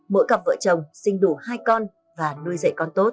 mỗi cặp vợ chồng sinh đủ hai con và nuôi dạy con tốt